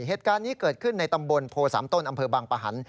เหตุการณ์นี้เกิดขึ้นในตำบลโพสามต้นอำเภอบางปะหัน